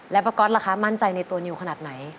และประกอบละคะมั่นใจในตัวนิวขนาดไหน